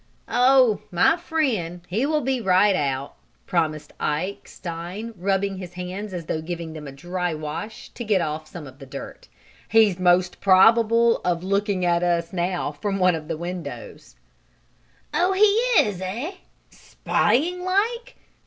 "Oh, my friend he will of be right out," promised Ike Stein, rubbing his hands as though giving them a dry wash to get off some of the dirt. "He's most probable of looking at us now from one of the windows." "Oh, he is, eh? Spying like!